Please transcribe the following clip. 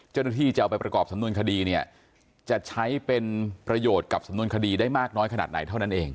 จะเอาไปประกอบสำนวนคดีเนี่ยจะใช้เป็นประโยชน์กับสำนวนคดีได้มากน้อยขนาดไหนเท่านั้นเอง